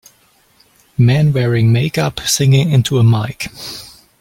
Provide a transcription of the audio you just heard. Man wearing makeup singing into a mic.